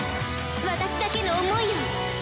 「私だけの思いを」